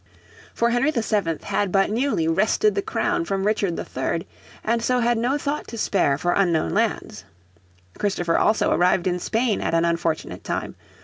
For Henry VII had but newly wrested the crown from Richard III, and so had no thought to spare for unknown lands. Christopher also arrived in Spain at an unfortunate time.